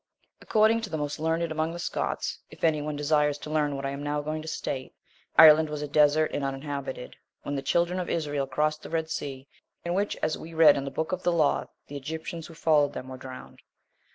15. According to the most learned among the Scots, if any one desires to learn what I am now going to state, Ireland was a desert, and uninhabited, when the children of Israel crossed the Red Sea, in which, as we read in the Book of the Law, the Egyptians who followed them were drowned.